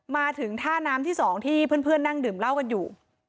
มาถึงท่าน้ำที่๒ที่เพื่อนนั่งดื่มเหล้ากันอยู่